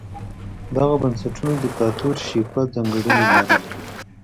دغو بنسټونو دیکتاتورشیپه ځانګړنې لرلې.